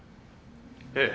ええ。